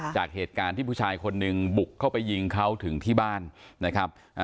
จากเหตุการณ์ที่ผู้ชายคนหนึ่งบุกเข้าไปยิงเขาถึงที่บ้านนะครับ